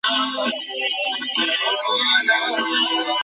নিজ থেকেই দিয়েছে।